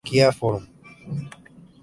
Kia Forum